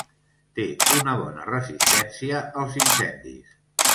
Té una bona resistència als incendis.